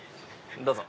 どうぞ。